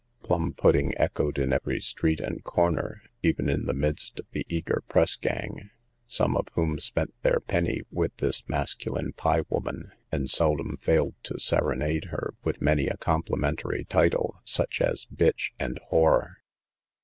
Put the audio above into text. Plum pudding echoed in every street and corner, even in the midst of the eager press gang, some of whom spent their penny with this masculine pie woman, and seldom failed to serenade her with many a complimentary title, such as bitch and whore.